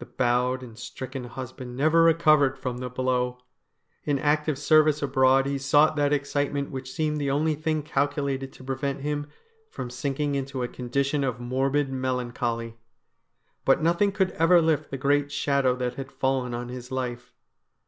The bowed and stricken husband never recovered from the blow. In active service abroad he sought that excite ment which seemed the only thing calculated to prevent him from sinking into a condition of morbid melancholy. But nothing could ever lift the great shadow that had fallen on his life.